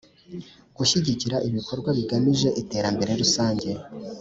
Gushyigikira ibikorwa bigamije iterambere rusange t